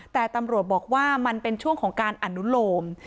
แต่ตำรวจบอกว่ามันเป็นช่วงของการอนุโลม